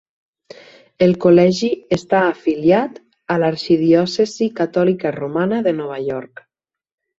El col·legi està afiliat a l'arxidiòcesi catòlica romana de Nova York.